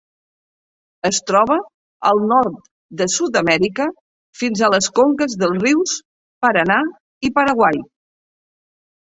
Es troba al nord de Sud-amèrica fins a les conques dels rius Paranà i Paraguai.